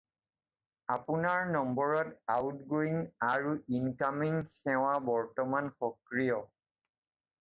আপোনাৰ নম্বৰত আউটগ'য়িং আৰু ইনকামিং সেৱা বৰ্তমান সক্ৰিয়।